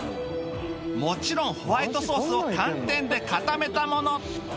もちろんホワイトソースを寒天で固めたもの